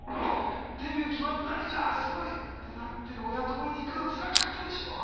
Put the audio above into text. デビュー決まったいやあすごい！ってなってる親のところに行くのつらかったでしょう。